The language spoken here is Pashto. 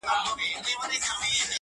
دا کيسه په ځناورو کې خپره سوه